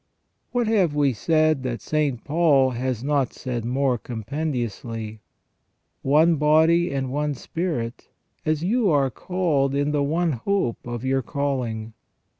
What have we said that St. Paul has not said more compendiously :" One body and one spirit, as you are called in the one hope of your calling.